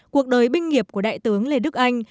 cuộc đời binh nghiệp của đại tướng lê đức anh